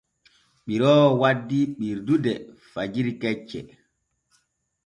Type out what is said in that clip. Ɓiroowo waddi ɓirdude fagiri kecce.